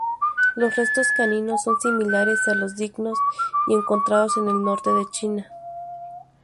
Los restos caninos son similares a los Dingos encontrados en el norte de China.